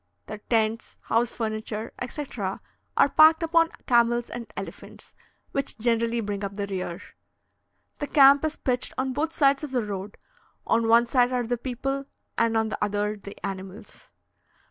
Their tents, house furniture, etc., are packed upon camels and elephants, which generally bring up the rear. The camp is pitched on both sides of the road on one side are the people, and on the other the animals.